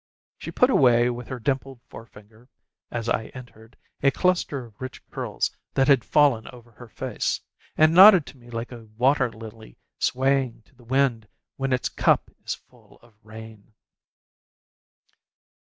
She put away with her dimpled forefinger, as I entered, a cluster of rich curls that had fallen over her face, and nodded to me like a water lily swaying to the wind when its cup is full of rain.